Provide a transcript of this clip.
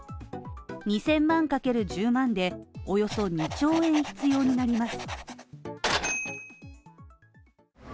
２０００万×１０万でおよそ２兆円必要になります。